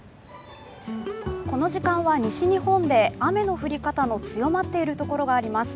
この時間は西日本で雨の降り方の強まっているところがあります。